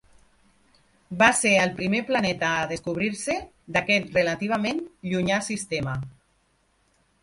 Va ser el primer planeta a descobrir-se d'aquest relativament llunyà sistema.